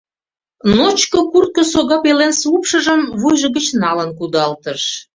Ночко куртко сога пеленсе упшыжым вуйжо гыч налын кудалтыш.